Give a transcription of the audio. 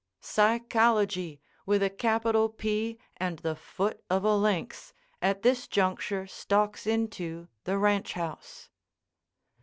Psychology, with a capital P and the foot of a lynx, at this juncture stalks into the ranch house.